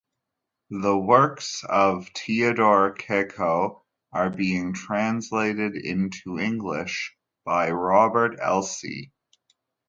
The works of Teodor Keko are being translated into English by Robert Elsie.